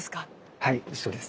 はいそうです。